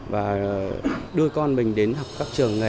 và đưa con mình đến học các trường nghề